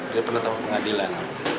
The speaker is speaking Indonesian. dia pernah tahu pengadilan